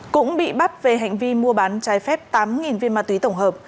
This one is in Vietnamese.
cũng bị bắt về hành vi mua bán trái phép tám viên ma túy tổng hợp